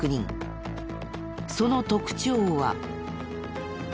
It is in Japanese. その特徴は。